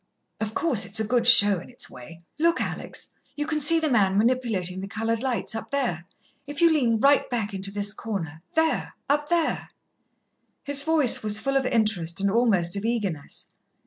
"Of course, it's a good show in its way. Look, Alex, you can see the man manipulating the coloured lights, up there. If you lean right back into this corner there, up there." His voice was full of interest and almost of eagerness.